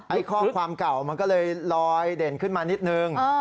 ข้อความเก่ามันก็เลยลอยเด่นขึ้นมานิดนึง